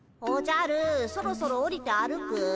おじゃるそろそろおりて歩く？